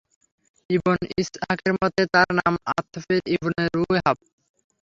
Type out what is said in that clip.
ইবন ইসহাকের মতে, তাঁর নাম আতফীর ইবন রূহায়ব।